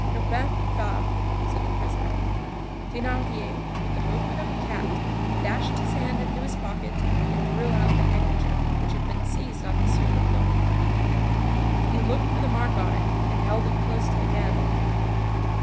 "Urbain Fabre," said the prisoner. Thénardier, with the movement of a cat, dashed his hand into his pocket and drew out the handkerchief which had been seized on M. Leblanc. He looked for the mark on it, and held it close to the candle.